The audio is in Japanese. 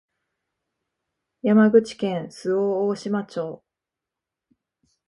山口県周防大島町